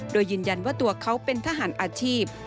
โดยยืนยันว่าตัวเขาเป็นทหารอาชีพ